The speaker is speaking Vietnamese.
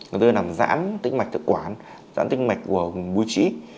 có thể làm giãn tí mạch tự quản giãn tí mạch của bụi trĩ